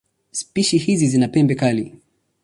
Spishi hizi zina pembe kali.